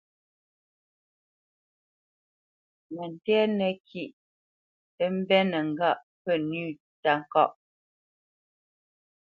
Mətɛ̂nə kîʼ tə mbɛ̂nə́ ŋgâʼ pə́ nʉ̂ táka.